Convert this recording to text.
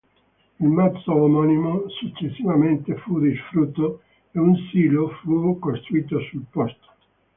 Il masso omonimo successivamente fu distrutto e un silo fu costruito sul posto.